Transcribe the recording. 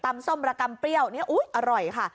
มันเปรี้ยวนี่อุ๊ยอร่อยค่ะ